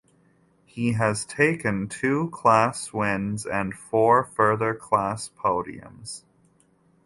He has taken two class wins and four further class podiums.